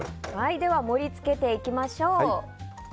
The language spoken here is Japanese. では盛り付けていきましょう。